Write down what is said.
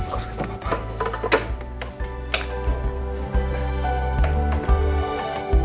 aku harus ke tempat apa